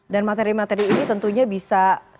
dan materi materi ini tentunya bisa semakin memberatkan